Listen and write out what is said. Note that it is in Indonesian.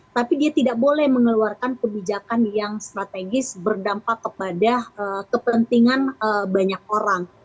tapi dia tidak boleh mengeluarkan kebijakan yang strategis berdampak kepada kepentingan banyak orang